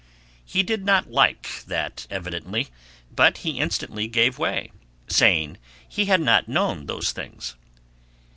He did not like that evidently, but he instantly gave way, saying he had not known those things.